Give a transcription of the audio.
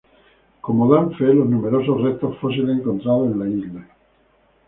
Como dan fe los numerosos restos fósiles encontrados en la isla.